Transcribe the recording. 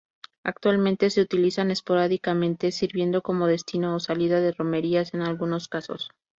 Actualmente se utilizan esporádicamente, sirviendo como destino o salida de romerías en algunos casos.